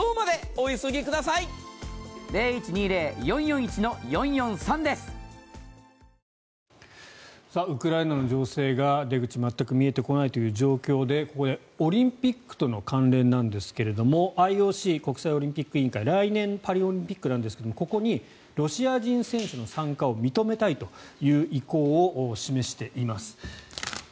１週間早く決めていればウクライナの情勢が出口、全く見えてこないという状況でここでオリンピックとの関連なんですがＩＯＣ・国際オリンピック委員会来年パリオリンピックなんですがここにロシア人選手の参加を認めたいという意向を示しています。